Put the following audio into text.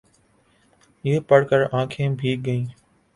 یہ پڑھ کر آنکھیں بھیگ گئیں۔